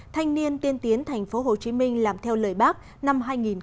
thanh niên tiên tiến thành phố hồ chí minh làm theo lời bác năm hai nghìn hai mươi